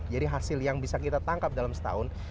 jadi hasil yang bisa kita tangkap dalam setahun